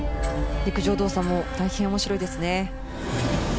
陸上動作も大変面白いですね。